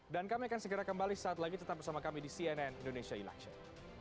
dan kami akan segera kembali saat lagi tetap bersama kami di cnn indonesia election